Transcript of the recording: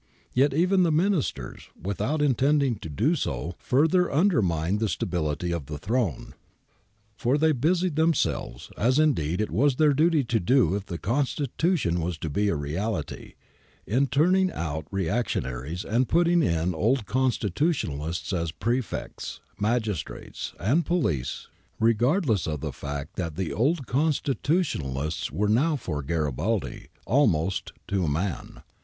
Yet even the Ministers, without intending to do so, further undermined the stability of the throne. For they busied themselves, as indeed it was their duty to do if the Constitution was to be a reality, in turning out reactionaries and putting in old constitutionalists as prefects, magistrates, and police, re gardless of the fact that the old constitutionalists were now for Garibaldi almost to a man.